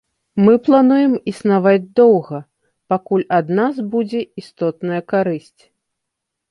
Мы плануем існаваць доўга, пакуль ад нас будзе істотная карысць.